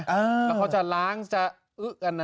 แล้วเขาจะล้างจะอึ๊ะกันนะ